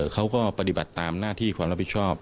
เขาก็ปฏิบัติตามหน้าที่ความรับผิดชอบ